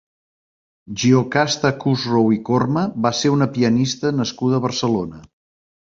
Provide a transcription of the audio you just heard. Giocasta Kussrow i Corma va ser una pianista nascuda a Barcelona.